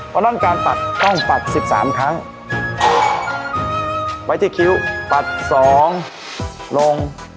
เพราะฉะนั้นการปักต้องปัด๑๓ครั้งไว้ที่คิ้วปัดสองลง